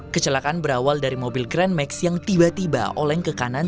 kecelakaan berawal dari mobil grand max yang tiba tiba oleng ke kanan